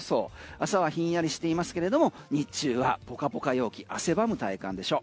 朝はひんやりしていますけれども日中はポカポカ陽気汗ばむ体感でしょう。